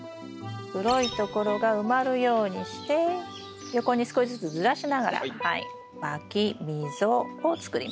黒いところが埋まるようにして横に少しずつずらしながらまき溝を作ります。